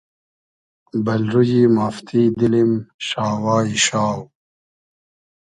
بئل رویی مافتی دیلیم شاوای شاو